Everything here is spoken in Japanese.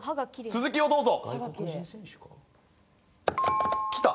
続きをどうぞ！